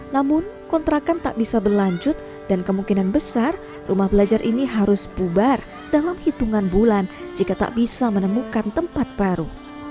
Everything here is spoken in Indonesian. namun kontrakan tak bisa berlanjut dan kemungkinan besar rumah belajar ini harus bubar dalam hitungan bulan jika tak bisa menemukan tempat baru